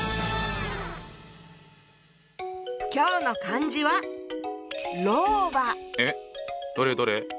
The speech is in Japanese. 今日の漢字はえっどれどれ？